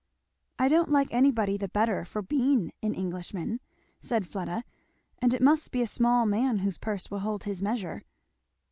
"I don't like anybody the better for being an Englishman," said Fleda; "and it must be a small man whose purse will hold his measure."